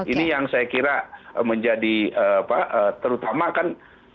ini yang saya kira menjadi apa terutama kan